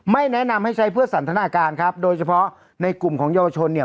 แนะนำให้ใช้เพื่อสันทนาการครับโดยเฉพาะในกลุ่มของเยาวชนเนี่ย